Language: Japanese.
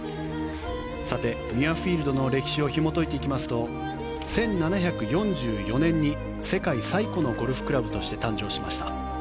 ミュアフィールドの歴史をひもといていきますと１７４４年に世界最古のゴルフクラブとして誕生しました。